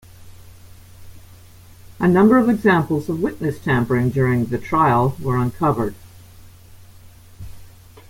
A number of examples of witness tampering during the trial were uncovered.